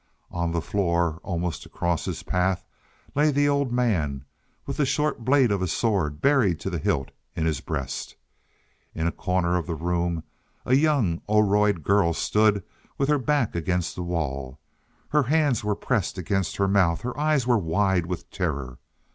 On the floor, almost across his path, lay the old man, with the short blade of a sword buried to the hilt in his breast. In a corner of the room a young Oroid girl stood with her back against the wall. Her hands were pressed against her mouth; her eyes were wide with terror.